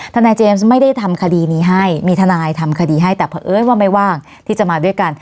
ทนายเจมส์ไม่ได้ทำคดีนี้ให้มีทนายทำคดีให้แต่เพราะเอิญว่าไม่ว่างที่จะมาด้วยกัน